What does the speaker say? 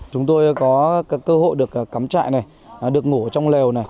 chúng tôi có cơ hội được cắm chạy này được ngủ ở trong lèo này